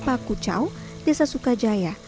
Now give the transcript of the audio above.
cipakucau desa sukajaya